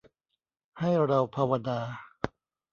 ให้เราภาวนา